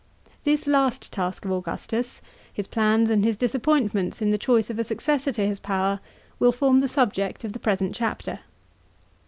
This last task of Augustus, his plans and his disappointments in the choice of a successor to his power, will form the subject of the present chapter.